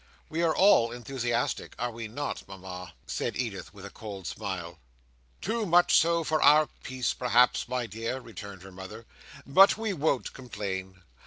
"We are all enthusiastic, are we not, Mama?" said Edith, with a cold smile. "Too much so, for our peace, perhaps, my dear," returned her mother; "but we won't complain.